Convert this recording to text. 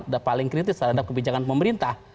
dan paling kritis terhadap kebijakan pemerintah